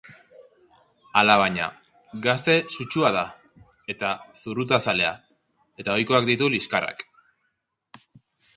Alabaina, gazte sutsua da eta zurrutazalea, eta ohikoak ditu liskarrak.